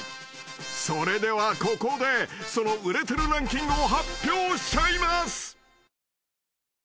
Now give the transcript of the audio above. ［それではここでその売れてるランキングを発表しちゃいます］